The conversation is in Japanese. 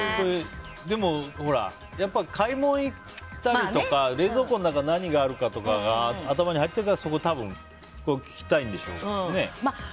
でも、買い物行ったりとか冷蔵庫の中に何があるかとかが頭に入ってるからそこ多分、聞きたいんでしょね。